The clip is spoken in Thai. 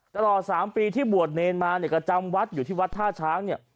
ตั้งแต่ต่อ๓ปีที่บวชเน้นมาก็จำวัดอยู่ที่วัดท่าช้างเนี่ย